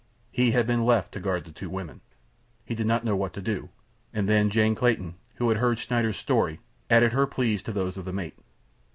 He had been left to guard the two women. He did not know what to do, and then Jane Clayton, who had heard Schneider's story, added her pleas to those of the mate.